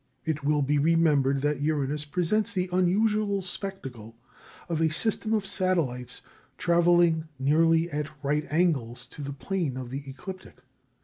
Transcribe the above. It will be remembered that Uranus presents the unusual spectacle of a system of satellites travelling nearly at right angles to the plane of the ecliptic.